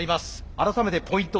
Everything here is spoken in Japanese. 改めてポイント